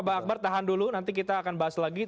bang akbar tahan dulu nanti kita akan bahas lagi